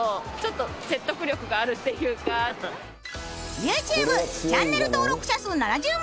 ＹｏｕＴｕｂｅチャンネル登録者数７０万